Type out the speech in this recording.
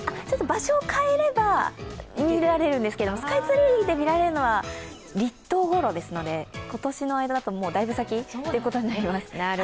ちょっと場所を変えれば見られるんですけれども、スカイツリーで見られるのは立冬ごろですので、今年だとだいぶ先になります。